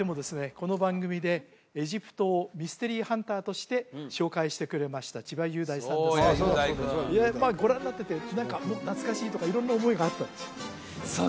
この番組でエジプトをミステリーハンターとして紹介してくれました千葉雄大さんですけれどもご覧になってて何かもう懐かしいとか色んな思いがあったでしょう？